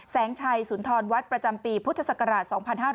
แสงไชยสุนทรวัฒน์วัดประจำปีพุทธศักราช๒๕๖๑